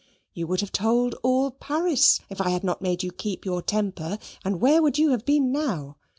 You would have told all Paris, if I had not made you keep your temper, and where would you have been now?